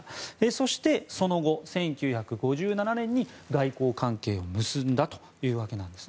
そして、その後１９５７年に外交関係を結んだというわけなんです。